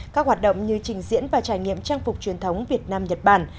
các hoạt động như trình diễn và trải nghiệm trang phục truyền thống việt nam nhật bản